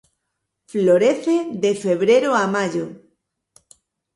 Florece de febrero a mayo.